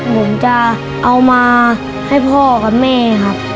ผมจะเอามาให้พ่อกับแม่ครับ